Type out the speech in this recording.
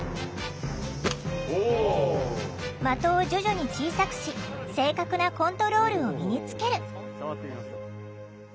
的を徐々に小さくし正確なコントロールを身につける。